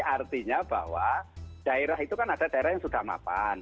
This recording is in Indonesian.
artinya bahwa daerah itu kan ada daerah yang sudah mapan